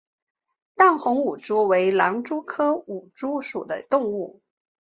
淡红舞蛛为狼蛛科舞蛛属的动物。